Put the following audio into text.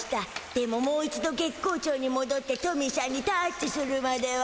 でももう一度月光町にもどってトミーしゃんにタッチするまでは。